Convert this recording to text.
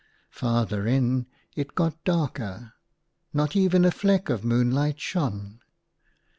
Farther in it got darker, not even a fleck of moonlight shone.